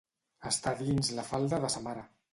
Estar dins la falda de sa mare.